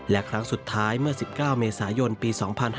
และครั้งสุดท้ายเมื่อ๑๙เมษายนปี๒๕๕๙